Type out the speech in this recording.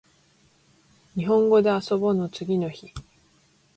にほんごであそぼの次の日